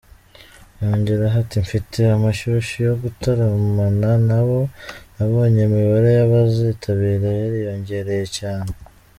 Yongeraho ati « Mfite amashyushyu yo gutaramana na bo , nabonye imibare y’abazitabira yariyongereye cyane.